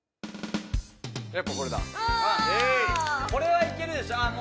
これはいけるでしょ。